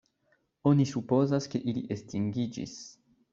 Oni supozas, ke ili estingiĝis.